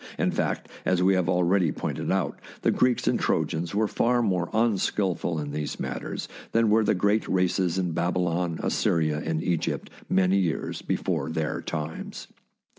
In fact, as we have already pointed out, the Greeks and Trojans were far more unskilful in these matters than were the great races in Babylon, Assyria, and Egypt many years before their times.